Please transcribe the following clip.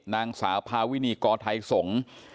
นางสาวพาวินีกอไทยสงศ์